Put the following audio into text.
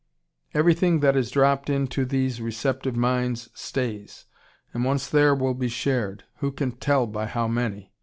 Everything that is dropped into these receptive minds stays, and once there will be shared, who can tell by how many?